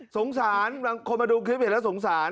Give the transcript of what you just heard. บางคนมาดูคลิปเห็นแล้วสงสาร